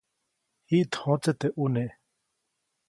Jiʼt jõtse teʼ ʼune.